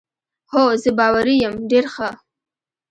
هو، زه باوري یم، ډېر ښه.